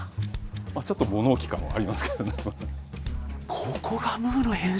ちょっと物置感はありますけどね。